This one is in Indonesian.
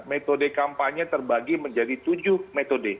metode kampanye terbagi menjadi tujuh metode